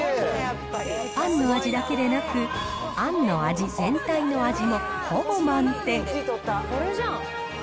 パンの味だけでなく、あんの味、全体の味もほぼ満点。